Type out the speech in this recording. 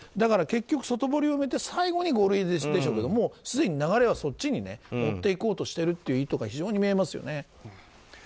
結局、外堀を埋めて最後に五類でしょうけどすでに流れはそっちに持っていこうとしている意図が非常に見えますよね。